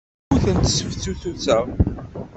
Ur ten-sseftutuseɣ.